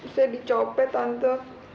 saya dicopet tante